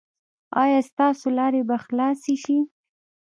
ایا ستاسو لارې به خلاصې شي؟